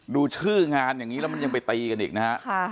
ดูชื่องานอย่างนี้แล้วมันยังไปตีกันอีกนะฮะ